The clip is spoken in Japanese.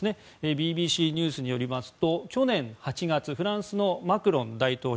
ＢＢＣニュースによりますと去年８月フランスのマクロン大統領